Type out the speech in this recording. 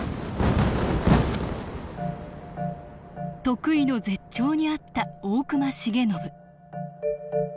得意の絶頂にあった大隈重信。